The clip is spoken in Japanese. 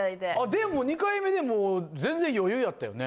でも２回目でも全然余裕やったよね。